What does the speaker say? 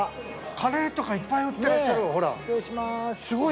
カレーとかいっぱい売ってらっしゃるほら。